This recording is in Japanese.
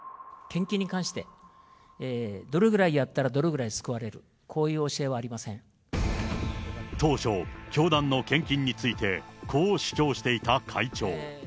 献金に関して、どれぐらいやったらどれぐらい救われる、こういう教えはありませ当初、教団の献金について、こう主張していた会長。